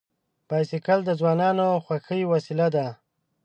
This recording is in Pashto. بایسکل د ځوانانو خوښي وسیله ده.